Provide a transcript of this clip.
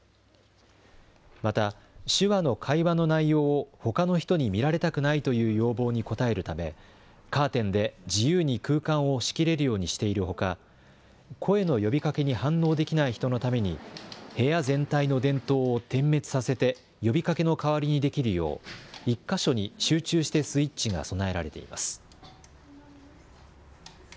また、手話の会話の内容をほかの人に見られたくないという要望に応えるため、カーテンで自由に空間を仕切れるようにしているほか、声の呼びかけに反応できない人のために、部屋全体の電灯を点滅させて、呼びかけの代わりにできるよう、１か所に集中してスイッチが備えられています。